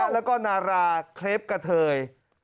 และนาราเคลปกะเทย